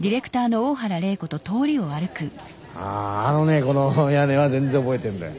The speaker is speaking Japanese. ああのねこの屋根は全然覚えてるんだよ。